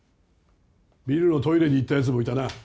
ビルのトイレに行ったやつもいたな。